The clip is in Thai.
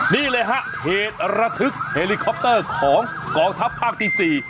นี่เลยฮะเหตุระทึกเฮลิคอปเตอร์ของกองทัพภาคที่๔